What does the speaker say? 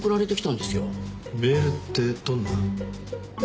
メールってどんな？